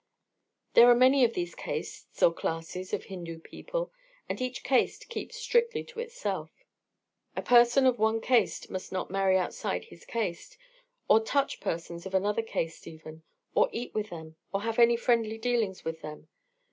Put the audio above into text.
There are many of these castes, or classes, of Hindu people, and each caste keeps strictly to itself. A person of one caste must not marry outside his caste; or touch persons of another caste, even; or eat with them, or have any friendly dealings with them.